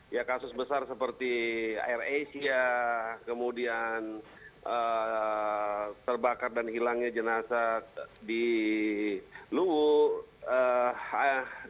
ya kasus besar seperti air asia kemudian terbakar dan hilangnya jenazah di luwu